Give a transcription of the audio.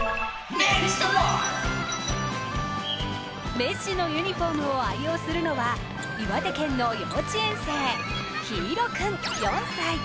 メッシのユニフォームを愛用するのは、岩手県の幼稚園生、緋彩君、４歳。